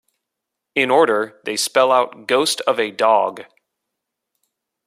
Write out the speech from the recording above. In order, they spell out Ghost of a dog.